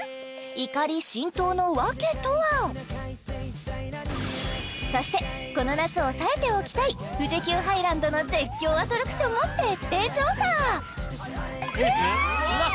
怒り心頭の訳とはそしてこの夏押さえておきたい富士急ハイランドの絶叫アトラクションも徹底調査えーっわっ！